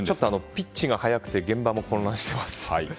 ピッチが速くて現場も混乱しています。